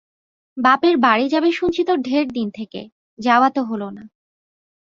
বাপের বাড়ি যাবে তো শুনছি ঢের দিন থেকে, যাওয়া তো হল না।